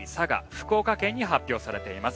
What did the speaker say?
福岡県に発表されています。